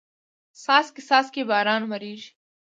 څاڅکي څاڅکي باران وریږي